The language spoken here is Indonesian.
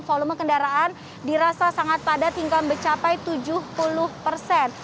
volume kendaraan dirasa sangat padat hingga mencapai tujuh puluh persen